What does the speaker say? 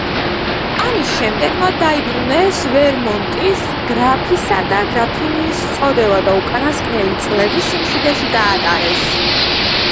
ამის შემდეგ მათ დაიბრუნეს ვერმონტის გრაფისა და გრაფინიის წოდება და უკანასკნელი წლები სიმშვიდეში გაატარეს.